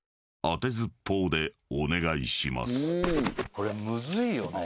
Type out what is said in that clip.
これむずいよね。